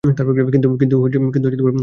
কিন্তু, Monty sir.